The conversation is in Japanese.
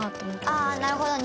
ああなるほど。